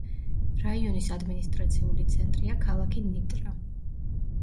რაიონის ადმინისტრაციული ცენტრია ქალაქი ნიტრა.